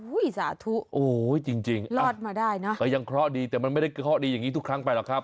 อุ้ยสาธุรอดมาได้นะจริงยังเคราะห์ดีแต่มันไม่เคราะห์ดีอย่างนี้ทุกครั้งไปหรอกครับ